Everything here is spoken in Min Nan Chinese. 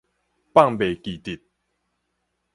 放袂記得